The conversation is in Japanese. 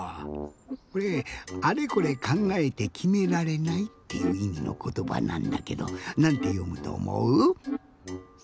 これ「あれこれかんがえてきめられない」っていういみのことばなんだけどなんてよむとおもう？